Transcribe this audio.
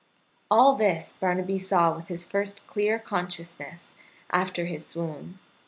All this Barnaby saw with his first clear consciousness after his swoon.